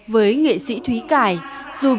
với nghệ sĩ thúy cải dù biểu diễn là một người đàn ông